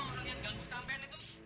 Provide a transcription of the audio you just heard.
orang yang ganggu sampean itu